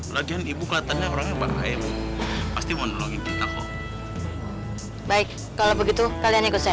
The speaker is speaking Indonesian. lagian ibu kelihatannya orangnya bahaya pasti menolongi kita kok baik kalau begitu kalian ikut saya